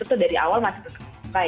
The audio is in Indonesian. itu dari awal masih tersebut